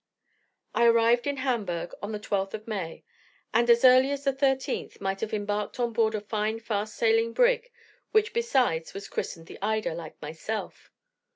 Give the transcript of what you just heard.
I arrived in Hamburgh on the 12th of May; and, as early as the 13th, might have embarked on board a fine fast sailing brig, which, besides, was christened the "Ida," like myself.